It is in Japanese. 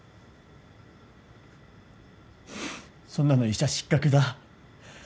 そんなの医者失格だ。